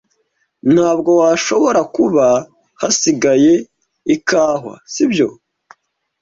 Ntabwo washobora kuba hasigaye ikawa, sibyo?